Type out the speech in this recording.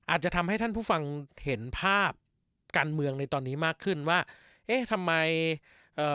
อาจจะทำให้ท่านผู้ฟังเห็นภาพการเมืองในตอนนี้มากขึ้นว่าเอ๊ะทำไมเอ่อ